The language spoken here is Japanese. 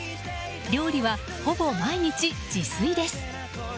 料理はほぼ毎日、自炊です。